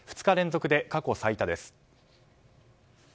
２日連続で過去最多です。